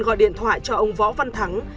gọi điện thoại cho ông võ văn thắng